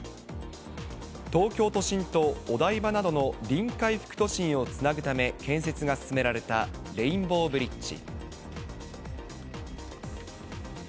東京都心とお台場などの臨海副都心をつなぐため建設が進められたレインボーブリッジ。